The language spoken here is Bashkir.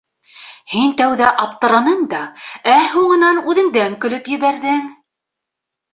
Һин тәүҙә аптыраның да, ә һуңынан үҙеңдән көлөп ебәрҙең: